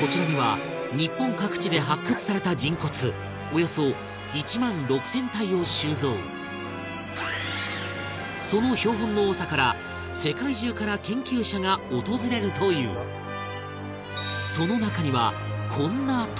こちらには日本各地で発掘された人骨およそ１万６０００体を収蔵その標本の多さから世界中から研究者が訪れるという蓮君：うっわ！